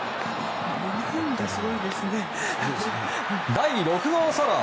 第６号ソロ。